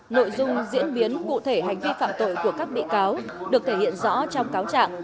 nội dung diễn biến cụ thể hành vi phạm tội của các bị cáo được thể hiện rõ trong cáo trạng